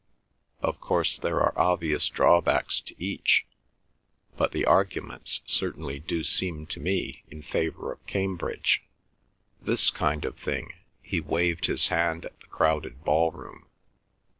Of course, there are obvious drawbacks to each, but the arguments certainly do seem to me in favour of Cambridge. This kind of thing!" he waved his hand at the crowded ballroom.